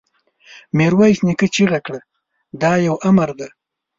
ميرويس نيکه چيغه کړه! دا يو امر دی!